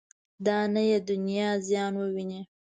دا نه یې دنیا زیان وویني.